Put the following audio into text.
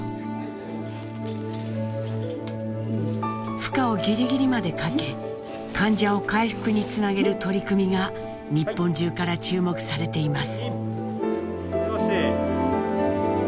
負荷をぎりぎりまでかけ患者を回復につなげる取り組みが日本中から注目されています。